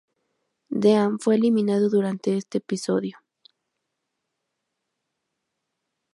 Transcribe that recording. Dean fue eliminado durante ese episodio.